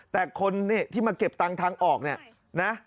แต่คนที่มาเก็บตังค์ทางออกเนี่ยนะ